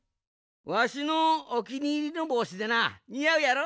わしのおきにいりのぼうしでなにあうやろ？